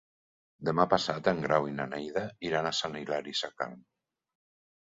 Demà passat en Grau i na Neida iran a Sant Hilari Sacalm.